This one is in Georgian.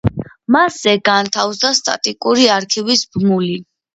მასზე განთავსდა სტატიკური არქივის ბმული.